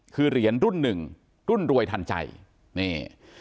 คือเหรียญรุ่นหนึ่งรุ่นรวยทันใจนี่